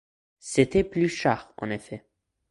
C’était Pluchart, en effet.